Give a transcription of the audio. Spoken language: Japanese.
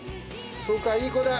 そうかいい子だ！